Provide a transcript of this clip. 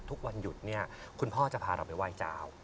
ทุกวันหยุดเนี่ยคุณพ่อจะพาเราไปไหว้เจ้า